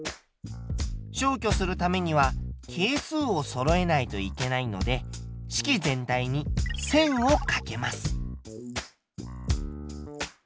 消去するためには係数をそろえないといけないので式全体に１０００をかけます。